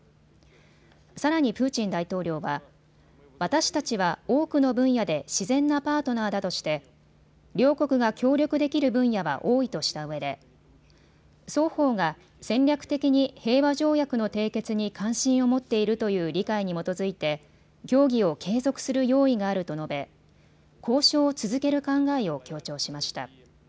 さらにプーチン大統領は私たちは多くの分野で自然なパートナーだとして両国が協力できる分野は多いとしたうえで双方が戦略的に平和条約の締結に関心を持っているという理解に基づいて協議を継続する用意があると述べ交渉を続ける考えを強調しました。